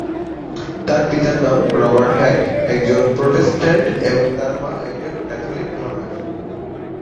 তার পিতার নাম "রবার্ট হ্যাক", একজন প্রোটেস্ট্যান্ট এবং তার মা একজন ক্যাথলিক ধর্মের।